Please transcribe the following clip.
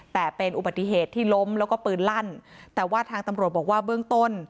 แต่เป็นอุบัติเหตุที่ล้มแล้วก็ปืนลั่นแต่ว่าทางตำรวจบอกว่าเบื้องต้น